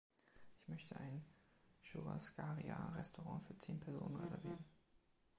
Ich möchte ein Churrascaria Restaurant für zehn Personen reservieren.